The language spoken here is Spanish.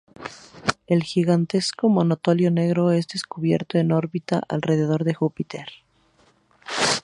El gigantesco monolito negro es descubierto en órbita alrededor de Júpiter.